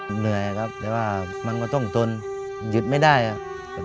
เหนื่อยครับแต่ว่ามันก็ต้องทนหยุดไม่ได้ครับ